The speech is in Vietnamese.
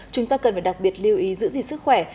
chúng ta cần phải đặc biệt lưu ý giữ gìn sức khỏe